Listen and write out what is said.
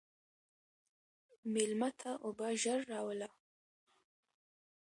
مېلمه ته اوبه ژر راوله.